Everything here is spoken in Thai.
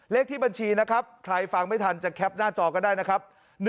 เลขที่บัญชีนะครับใครฟังไม่ทันจะแคปหน้าจอก็ได้นะครับ